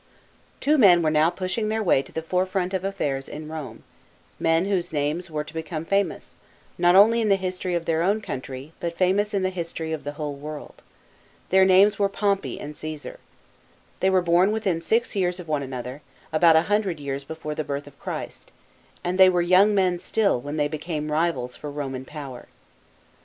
Two men were now pushing their way to the forefront of affairs in Home men whose names were to become famous, not only in the history of their own country, but famous in the history of tlie whole world. Their names were Pompey and Cfesar. They were born within six years of one another, about a hundred years before the birth of Christ, and they were young men still, when they became" rivals for Roman power.